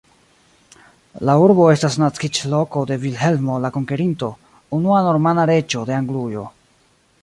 La urbo estas naskiĝloko de Vilhelmo la Konkerinto, unua normana reĝo de Anglujo.